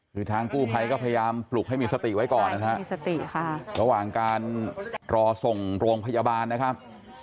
คือทางกู้ภัยก็พยายามปลุกให้มีสติไว้ก่อนนะฮะมีสติค่ะระหว่างการรอส่งโรงพยาบาลนะครับ